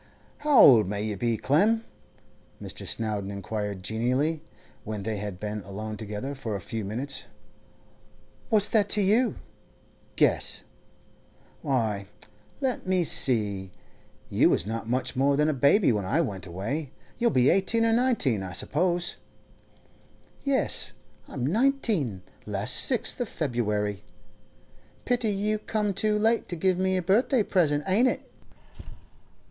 'How old may you be, Clem?' Mr. Snowdon inquired genially, when they had been alone together for a few minutes. 'What's that to you? Guess.' 'Why, let me see; you was not much more than a baby when I went away. You'll be eighteen or nineteen, I suppose.' 'Yes, I'm nineteen—last sixth of February. Pity you come too late to give me a birthday present, ain't it?